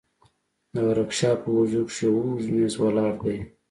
د ورکشاپ په اوږدو کښې يو اوږد مېز ولاړ دى.